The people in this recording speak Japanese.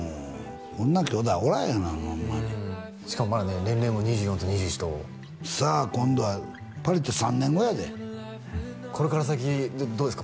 こんな兄妹おらへんホンマにしかもまだね年齢も２４と２１とさあ今度はパリって３年後やでうんこれから先どうですか？